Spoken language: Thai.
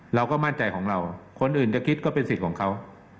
เราก็มั่นใจของเราคนอื่นจะคิดก็เป็นสิทธิ์ของเขา